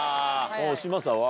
嶋佐は？